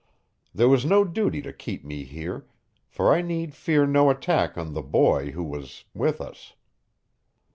There was no duty to keep me here, for I need fear no attack on the boy who was with us.